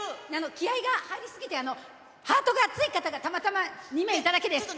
気合いが入り過ぎて、ハートが熱い方がたまたま２名いただけです。